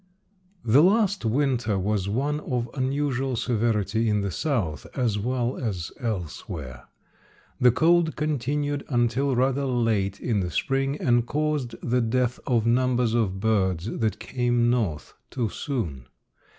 The last winter was one of unusual severity in the south, as well as elsewhere. The cold continued until rather late in the spring and caused the death of numbers of birds that came north too soon.